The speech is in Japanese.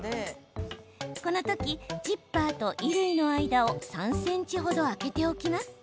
この時、ジッパーと衣類の間を３ｃｍ程、空けておきます。